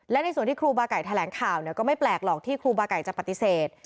และในส่วนที่ครูบาไก่แถลงข่าวก็ไม่แปลกหรอกที่ครูบาไก่จะปฏิเสธ